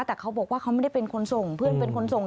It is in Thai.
แต่เขาบอกว่าเขาไม่ได้เป็นคนส่งเพื่อนเป็นคนส่ง